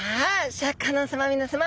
シャーク香音さま皆さま。